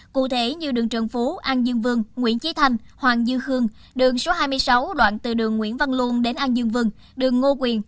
cụ thể như đường trần phú an dương vương nguyễn trí thanh hoàng dư khương đường số hai mươi sáu đoạn từ đường nguyễn văn luôn đến an dương vương đường ngô quyền